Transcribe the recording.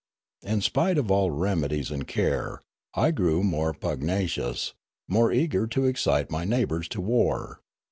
In spite of all remedies and care, I grew more pugnacious, more eager to excite my neighbours to war.